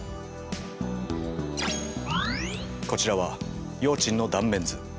こちらは葉枕の断面図。